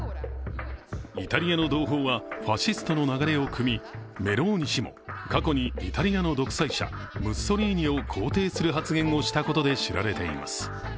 イタリアの同胞は、ファシストの流れをくみメローニ氏も過去にイタリアの独裁者、ムッソリーニを肯定する発言をしたことで知られています。